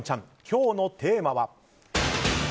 今日のテーマは？